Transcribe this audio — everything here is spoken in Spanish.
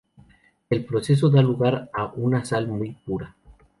El proceso da lugar a una sal muy pura.